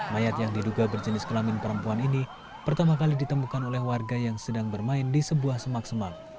mayat yang diduga berjenis kelamin perempuan ini pertama kali ditemukan oleh warga yang sedang bermain di sebuah semak semak